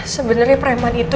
sebenernya preman itu